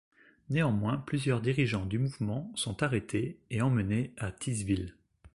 Néanmoins plusieurs dirigeants du mouvement sont arrêtés et emmenés à Thysville.